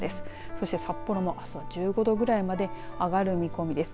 そして札幌もあすは１５度ぐらいまで上がる見込みです。